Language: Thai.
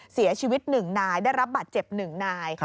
เสียชีวิตหนึ่งนายได้รับบัตรเจ็บหนึ่งนาย